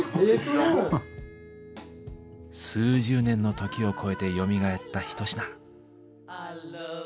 数十年の時を超えてよみがえった一品。